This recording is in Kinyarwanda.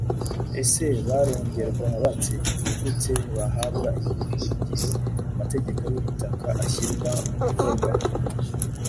ese barengerwa bate, ni gute bahabwa ingufu igihe am- ategeko y’ubutaka ashyirwa mu bikorwa?